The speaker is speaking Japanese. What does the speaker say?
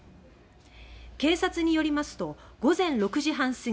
警察によりますと午前６時半すぎ